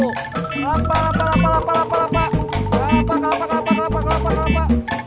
kelapa kelapa kelapa kelapa